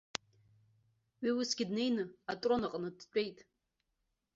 Уи усгьы днеины атрон аҟны дтәеит.